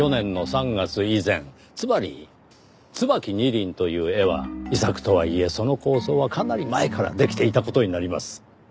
つまり『椿二輪』という絵は遺作とはいえその構想はかなり前からできていた事になります。